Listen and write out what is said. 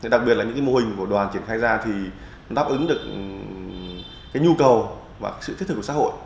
đặc biệt là những mô hình của đoàn triển khai ra thì đáp ứng được nhu cầu và sự thiết thực của xã hội